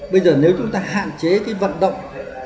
bây giờ nếu chúng ta hạn chế cái vận động